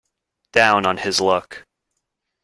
Down on his luck.